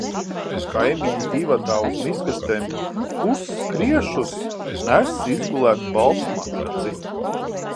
Kaimiņi divatā uz miskastēm pusskriešus nes izgulētu baltu matraci.